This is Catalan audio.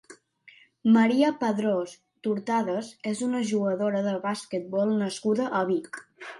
Maria Padrós Tortades és una jugadora de basquetbol nascuda a Vic.